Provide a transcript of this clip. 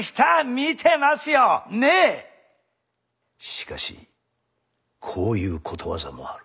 しかしこういうことわざもある。